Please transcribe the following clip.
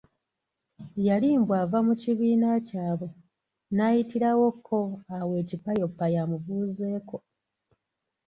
Yali mbu ava mu kibiina kyabwe, n'ayitirawooko awo ekipayoppayo amubuuzeeko.